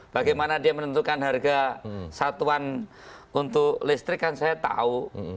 bagaimana dia menentukan harga satuan untuk listrik kan saya tahu